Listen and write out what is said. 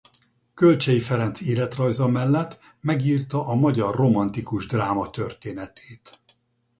Kölcsey Ferenc életrajza mellett megírta a magyar romantikus dráma történetét.